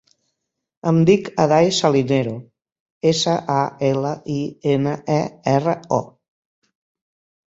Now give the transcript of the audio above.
Em dic Aday Salinero: essa, a, ela, i, ena, e, erra, o.